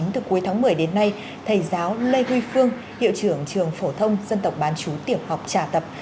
từ cuối tháng một mươi đến nay thầy giáo lê huy phương hiệu trưởng trường phổ thông dân tộc bán chú tiểu học trà tập